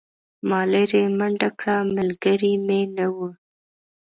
ما لیرې منډه کړه ملګری مې نه و.